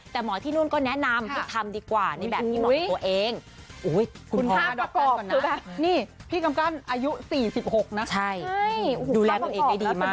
แต่หมอที่นู่นก็แนะนำให้ทำดีกว่านี่แบบที่เหมาะกับตัวเอง